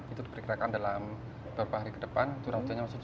itu diperkirakan dalam beberapa hari ke depan itu rancangnya cukup tinggi